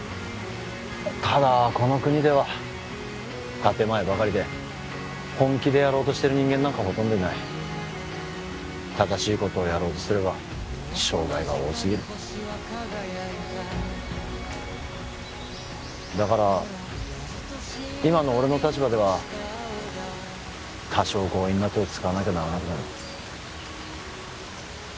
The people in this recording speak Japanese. ただこの国では建前ばかりで本気でやろうとしてる人間なんかほとんどいない正しいことをやろうとすれば障害が多すぎるだから今の俺の立場では多少強引な手を使わなきゃならなくなる